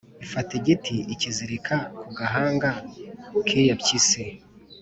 Ifata igiti ikizirika ku gahanga k’iyo mpyisi.